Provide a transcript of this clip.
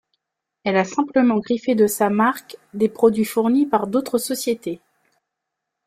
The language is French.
Elle a simplement griffé de sa marque des produits fournis par d'autres sociétés.